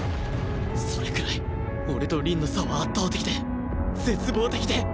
それくらい俺と凛の差は圧倒的で絶望的で